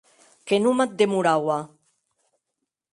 Que non m’ac demoraua!